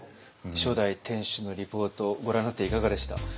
初代店主のリポートをご覧になっていかがでした？